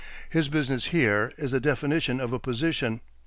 His business here is the definition of a position.